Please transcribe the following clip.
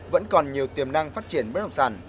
vẫn còn nhiều tiềm năng phát triển bất động sản